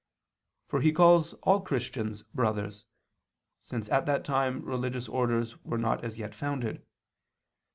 For he calls all Christians brothers, since at that time religious orders were not as yet founded.